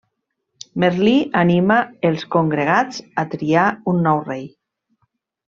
Merlí anima els congregats a triar un nou rei.